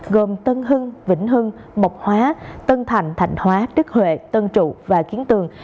gồm tân hưng vĩnh hưng mộc hóa tân thành thạnh hóa đức huệ tân trụ và kiến tường